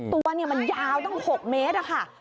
ตัวนี่มันยาวต้อง๖เมตรค่ะ